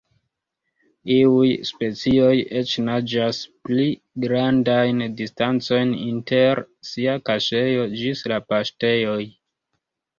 Iuj specioj eĉ naĝas pli grandajn distancojn inter sia kaŝejo ĝis la "paŝtejoj".